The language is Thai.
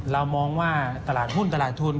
เรามองว่าตลาดหุ้นตลาดทุน